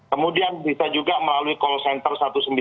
kemudian bisa juga melalui call center satu ratus sembilan puluh